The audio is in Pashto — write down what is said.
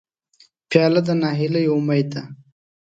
پیاله د نهیلۍ امید ده.